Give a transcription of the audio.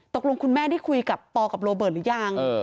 คุณแม่ได้คุยกับปอกับโรเบิร์ตหรือยัง